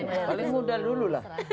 mungkin muda dulu lah